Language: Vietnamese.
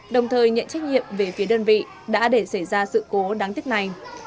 đồng thời nhận trách nhiệm về phía đơn vị đã để xảy ra sự cố đáng tiếc này